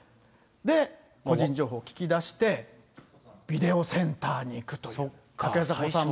で、個人情報を聞き出して、ビデオセンターに行くという。